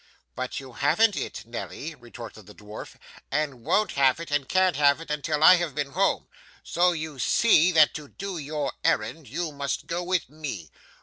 'But you haven't it, Nelly,' retorted the dwarf, 'and won't have it, and can't have it, until I have been home, so you see that to do your errand, you must go with me.